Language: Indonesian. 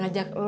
ya ngajak lo